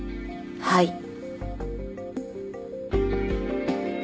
はい。